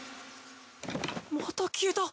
また消えた！？